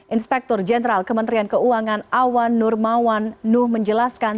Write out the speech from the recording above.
inspektur jenderal kementerian keuangan awan nurmawan nuh menjelaskan